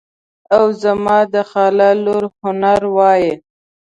او زما د خاله لور هنر وایي.